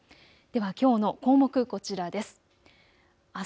ではきょうの項目、こちらです。